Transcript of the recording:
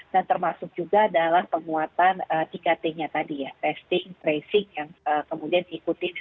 dan termasuk juga adalah penguatan tiga t nya tadi ya testing tracing yang kemudian diikuti dengan isolasi